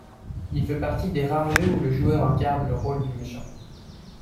Il fait partie des rares jeux où le joueur incarne le rôle du méchant.